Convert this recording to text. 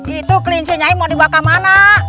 itu klinci mau dibakar mana